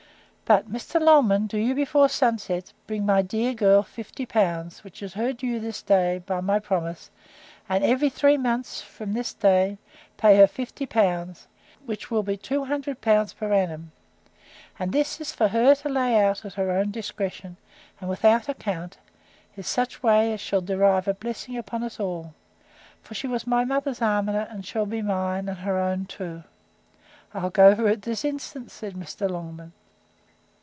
But, Mr. Longman, do you, before sunset, bring my dear girl fifty pounds, which is due to her this day, by my promise; and every three months, from this day, pay her fifty pounds; which will be two hundred pounds per annum; and this is for her to lay out at her own discretion, and without account, in such a way as shall derive a blessing upon us all: for she was my mother's almoner, and shall be mine, and her own too.—I'll go for it this instant, said Mr. Longman.